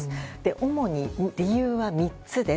主に理由は３つです。